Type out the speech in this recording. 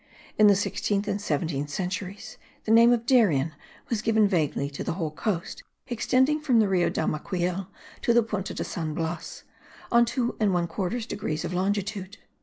In the sixteenth and seventeenth centuries the name of Darien was given vaguely to the whole coast extending from the Rio Damaquiel to the Punta de San Blas, on 2 1/4 degrees of longitude.